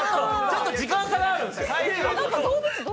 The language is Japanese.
ちょっと時間差があるんですよ。